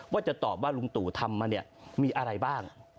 ว่าจะตอบว่าลุงตู่ทำมาเนี่ยมีอะไรบ้าง